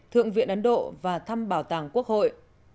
thượng viện ấn độ và thăm bảo tàng quốc hội